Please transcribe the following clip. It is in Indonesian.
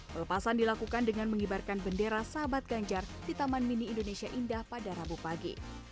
pelepasan dilakukan dengan mengibarkan bendera sahabat ganjar di taman mini indonesia indah pada rabu pagi